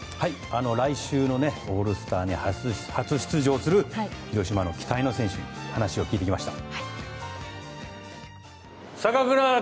来週のオールスターに初出場する広島の期待の選手に話を聞いてきました。